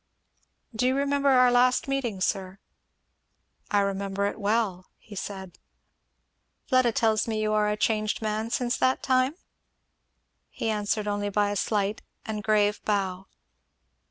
"Do you remember our last meeting, sir?" "I remember it well," he said. "Fleda tells me you are a changed man since that time?" He answered only by a slight and grave bow.